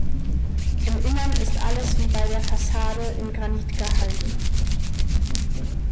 Im Inneren ist alles wie bei der Fassade in Granit gehalten.